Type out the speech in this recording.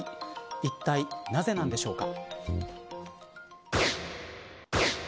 いったい、なぜなんでしょうか。